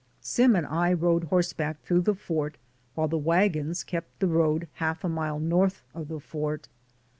Sim and I rode horseback through the fort while the wagons kept the road half a mile north of the fort.